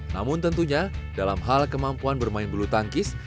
namun tentunya dalam hal kemampuan bermain bulu tangkis